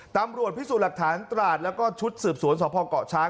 ตำรวจพิสูจน์หลักฐานตราดแล้วก็ชุดสืบสวนสพเกาะช้าง